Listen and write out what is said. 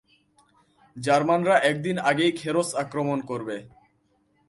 জার্মানরা একদিন আগেই খেরোস আক্রমণ করবে।